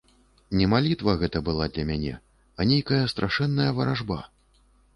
Не малітва гэта была для мяне, а нейкая страшэнная варажба.